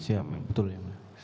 siap betul yang mulia